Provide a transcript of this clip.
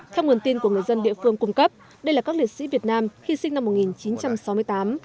theo nguồn tin của người dân địa phương cung cấp đây là các liệt sĩ việt nam hy sinh năm một nghìn chín trăm sáu mươi tám